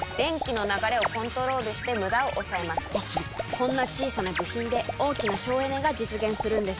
こんな小さな部品で大きな省エネが実現するのです。